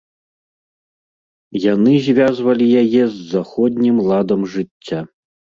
Яны звязвалі яе з заходнім ладам жыцця.